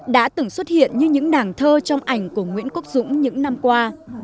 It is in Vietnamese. diễn như những đảng thơ trong ảnh của nguyễn quốc dũng những năm qua